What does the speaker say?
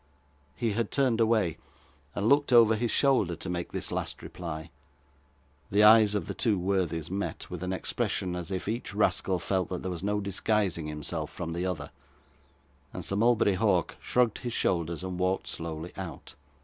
He had turned away, and looked over his shoulder to make this last reply. The eyes of the two worthies met, with an expression as if each rascal felt that there was no disguising himself from the other; and Sir Mulberry Hawk shrugged his shoulders and walked slowly out.